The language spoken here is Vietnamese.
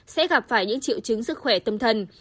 sẽ gặp phải những triệu chứng sức khỏe tâm thần